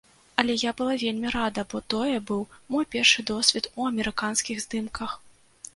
Але я была вельмі рада, бо тое быў мой першы досвед у амерыканскіх здымках.